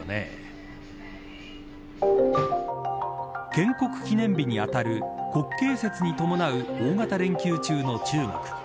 建国記念日に当たる国慶節に伴う大型連休中の中国。